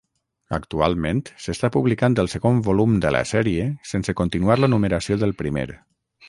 Actualment, s'està publicant el segon volum de la sèrie sense continuar la numeració del primer.